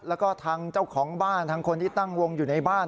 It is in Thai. แล้วก็ทางเจ้าของบ้านทางคนที่ตั้งวงอยู่ในบ้าน